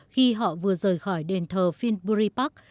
khi họ vừa rời khỏi đền thờ finbury park